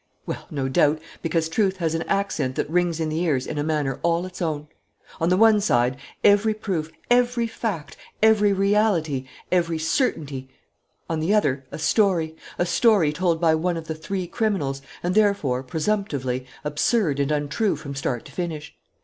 Well, no doubt, because truth has an accent that rings in the ears in a manner all its own. On the one side, every proof, every fact, every reality, every certainty; on the other, a story, a story told by one of the three criminals, and therefore, presumptively, absurd and untrue from start to finish.